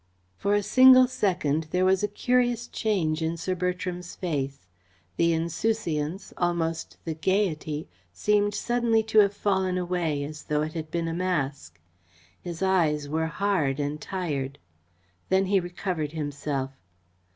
For a single second there was a curious change in Sir Bertram's face. The insouciance, almost the gaiety, seemed suddenly to have fallen away, as though it had been a mask. His eyes were hard and tired. Then he recovered himself.